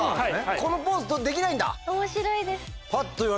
このポーズできないんだ。